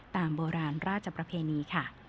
ตามโบราณราชประเพณีค่ะ